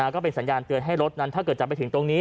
ก็เป็นสัญญาณเตือนให้รถนั้นถ้าเกิดจะไปถึงตรงนี้